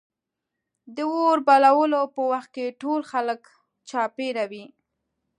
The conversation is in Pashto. د اور بلولو په وخت کې ټول خلک چاپېره وي.